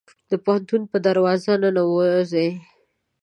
د پوهنتون په دروازه ننوزي